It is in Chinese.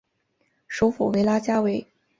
首府为拉加韦。